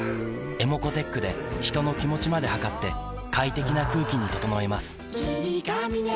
ｅｍｏｃｏーｔｅｃｈで人の気持ちまで測って快適な空気に整えます